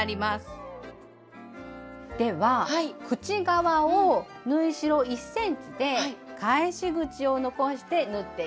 では口側を縫い代１ｃｍで返し口を残して縫っていきますよ。